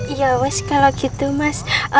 ya wes kalau gitu mas